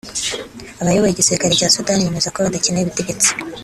Abayoboye igisirikare cya Sudani bemeza ko badakeneye ubutegetsi